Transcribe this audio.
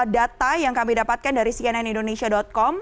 data yang kami dapatkan dari cnnindonesia com